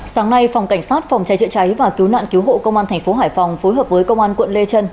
sáng nay phòng cảnh sát phòng cháy chữa cháy và cứu nạn cứu hộ công an thành phố hải phòng phối hợp với công an quận lê trân